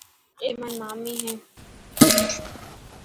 اي مائي مامي هي.